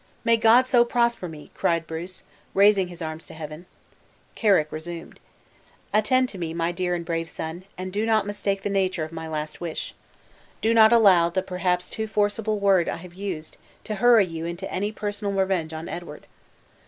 "May God so prosper me!" cried Bruce, raising his arms to heaven. Carrick resumed: "Attend to me, my dear and brave son, and do not mistake the nature of my last wish. Do not allow the perhaps too forcible word I have used, to hurry you into any personal revenge on Edward.